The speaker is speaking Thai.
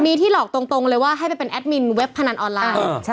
มีที่หลอกตรงเลยว่าให้ไปเป็นแอดมินเว็บพนันออนไลน์